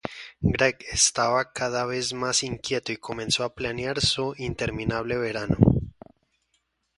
Gregg estaba cada vez más inquieto y comenzó a planear su interminable verano.